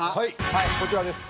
はいこちらです。